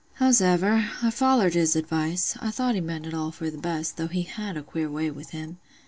"Howsever, I follered his advice: I thought he meant it all for th' best, though he had a queer way with him.